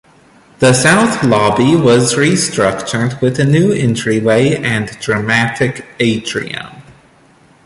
The south lobby was restructured with a new entryway and dramatic atrium.